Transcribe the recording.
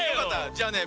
じゃあね